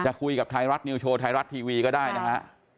คุยกับไทยรัฐนิวโชว์ไทยรัฐทีวีก็ได้นะฮะ